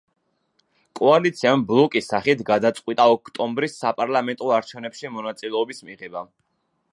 კოალიციამ ბლოკის სახით გადაწყვიტა ოქტომბრის საპარლამენტო არჩევნებში მონაწილეობის მიღება.